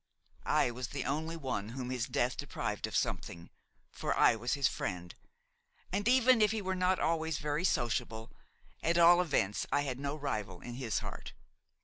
I was the only one whom his death deprived of something, for I was his friend, and, even if he was not always very sociable, at all events I had no rival in his heart.